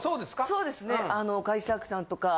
そうですね。